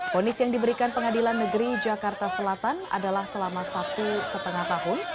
fonis yang diberikan pengadilan negeri jakarta selatan adalah selama satu lima tahun